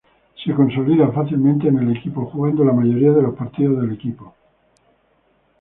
Se consolida fácilmente en el equipo, jugando la mayoría de los partidos del equipo.